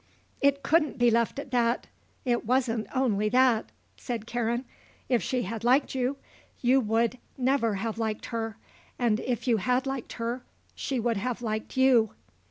"It couldn't be left at that. It wasn't only that," said Karen. "If she had liked you, you would never have liked her; and if you had liked her she would have liked you."